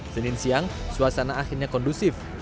senin siang suasana akhirnya kondusif